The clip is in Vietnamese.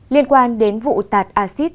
liên quan đến vụ tạt acid